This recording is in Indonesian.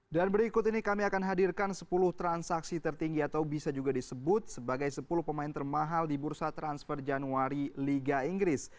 dan berikut ini kami akan hadirkan sepuluh transaksi tertinggi atau bisa juga disebut sebagai sepuluh pemain termahal di bursa transfer januari liga inggris